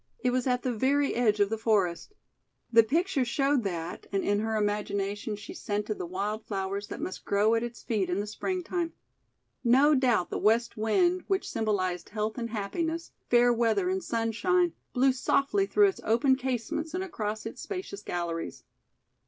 It was at the very edge of the forest. The picture showed that, and in her imagination she scented the wild flowers that must grow at its feet in the springtime. No doubt the west wind, which symbolized health and happiness, fair weather and sunshine, blew softly through its open casements and across its spacious galleries.